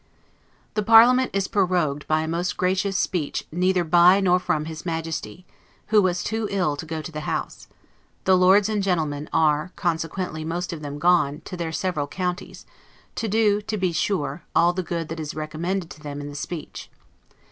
The parliament is prorogued by a most gracious speech neither by nor from his Majesty, who was TOO ILL to go to the House; the Lords and Gentlemen are, consequently, most of them, gone to their several counties, to do (to be sure) all the good that is recommended to them in the speech.